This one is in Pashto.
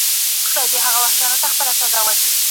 خنډونه بايد موږ نه مايوسه کوي.